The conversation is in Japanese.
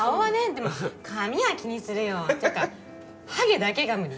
でも髪は気にするよってかハゲだけが無理。